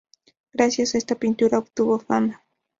Gracias a esta pintura, obtuvo fama.